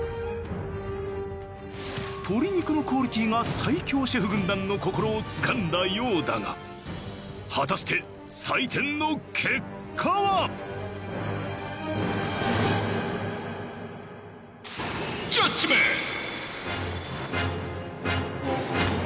鶏肉のクオリティーが最強シェフ軍団の心をつかんだようだがジャッジメント！